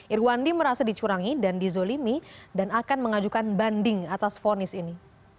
irwandi merasa dicurangi dan dizolimi dan akan mengajukan banding atas vonis ini